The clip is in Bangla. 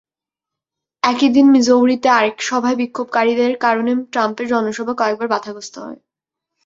একই দিন মিসৌরিতে আরেক সভায় বিক্ষোভকারীদের কারণে ট্রাম্পের জনসভা কয়েকবার বাধাগ্রস্ত হয়।